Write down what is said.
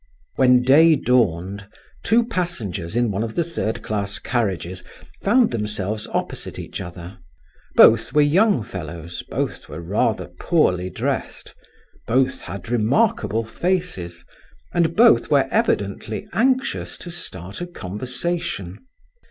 When day dawned, two passengers in one of the third class carriages found themselves opposite each other. Both were young fellows, both were rather poorly dressed, both had remarkable faces, and both were evidently anxious to start a conversation.